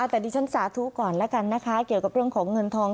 แต่ดิฉันสาธุก่อนแล้วกันนะคะเกี่ยวกับเรื่องของเงินทอง